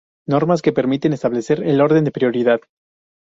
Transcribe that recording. Normas que permiten establecer el orden de prioridad.